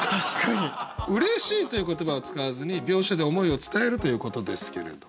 「嬉しい」という言葉を使わずに描写で思いを伝えるということですけれど。